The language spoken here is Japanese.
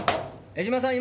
江島さん？